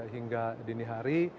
hingga dini hari